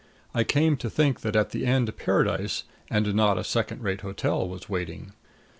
I came to think that at the end Paradise, and not a second rate hotel, was waiting.